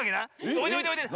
おいでおいでおいで！